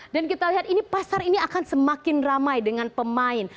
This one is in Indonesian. dan kita lihat ini pasar ini akan semakin ramai dengan pemain